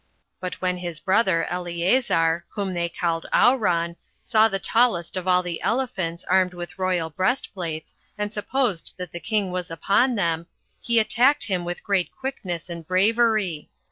But when his brother Eleazar, whom they called Auran, saw the tallest of all the elephants armed with royal breastplates, and supposed that the king was upon him, he attacked him with great quickness and bravery.